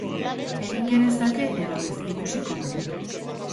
Egin genezake edo ez, ikusiko dugu.